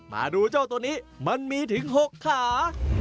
มาดูเจ้าตัวนี้มันมีถึง๖ขา